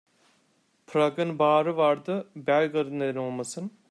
Prag'ın baharı vardı, Belgrad'ın neden olmasın?